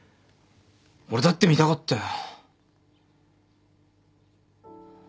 俺だって見たかったよ。